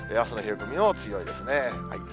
朝の冷え込みも強いですね。